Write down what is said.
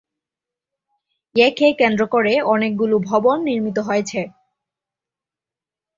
একে কেন্দ্র করে অনেকগুলো ভবন নির্মিত হয়েছে।